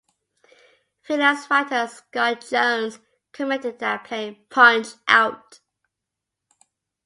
Freelance writer Scott Jones commented that playing Punch-Out!!